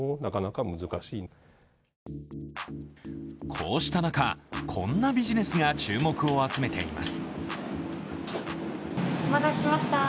こうした中、こんなビジネスが注目を集めています。